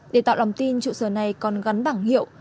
để tạo lòng tin trụ sở này còn gắn bảng hiệu